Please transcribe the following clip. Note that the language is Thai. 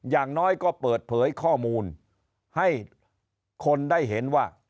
อย่างน้อยก็เปิดเผยข้อมูลให้คนได้เห็นว่า